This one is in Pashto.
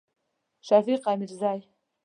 شفیق امیرزی